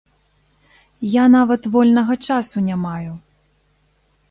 Я нават вольнага часу не маю.